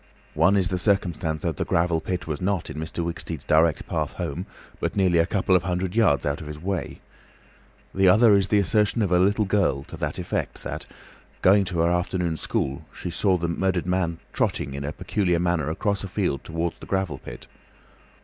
One is the circumstance that the gravel pit was not in Mr. Wicksteed's direct path home, but nearly a couple of hundred yards out of his way. The other is the assertion of a little girl to the effect that, going to her afternoon school, she saw the murdered man "trotting" in a peculiar manner across a field towards the gravel pit.